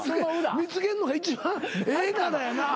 見つけんのが一番ええからやな。